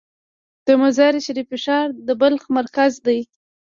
د مزار شریف ښار د بلخ مرکز دی